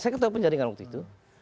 saya ketemu penjaringan waktu itu